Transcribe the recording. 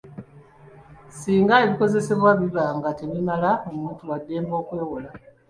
Singa ebikozesebwa biba nga tebimala, omuntu wa ddembe okwewola.